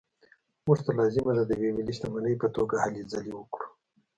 موږ ته لازمه ده د یوې ملي شتمنۍ په توګه هلې ځلې وکړو.